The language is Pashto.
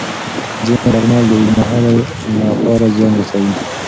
ځینې درمل د اوږد مهال لپاره زیان رسوي.